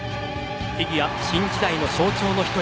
フィギュア新時代の象徴の１人。